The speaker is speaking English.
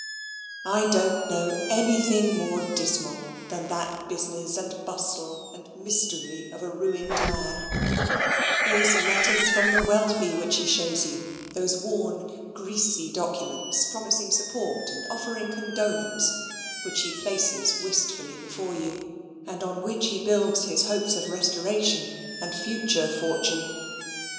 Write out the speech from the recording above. I don't know anything more dismal than that business and bustle and mystery of a ruined man: those letters from the wealthy which he shows you: those worn greasy documents promising support and offering condolence which he places wistfully before you, and on which he builds his hopes of restoration and future fortune.